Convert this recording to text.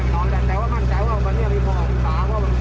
น้องแจ้วแต่ว่ามันแจ้วอ่ะมันยังมีพ่อขุมตา